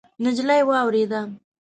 نجلۍ واورېده.